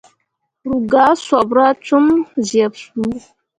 Ru gah sopra com zyeɓsuu.